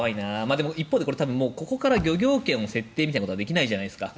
だけど一方でここから漁業権の設定はできないじゃないですか。